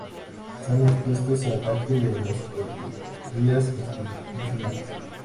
Están expuestos al ataque de las correrías musulmanas.